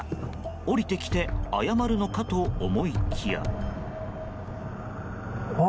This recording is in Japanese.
降りてきて謝るのかと思いきや。